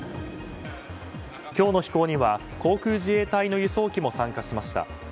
今日の飛行には、航空自衛隊の輸送機も参加しました。